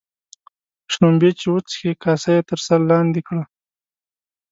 شلومبې چې وچښې ، کاسه يې تر سر لاندي کړه.